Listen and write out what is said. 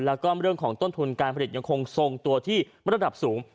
แล้วก็เรื่องของต้นทุนการผลิตยังคงทรงตัวที่ระดับสูง